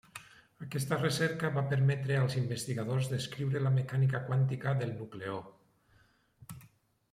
Aquesta recerca va permetre als investigadors descriure la mecànica quàntica del nucleó.